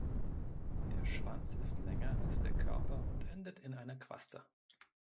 Der Schwanz ist länger als der Körper und endet in einer Quaste.